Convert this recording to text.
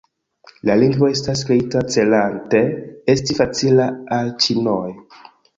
La lingvo estas kreita celante esti facila al ĉinoj.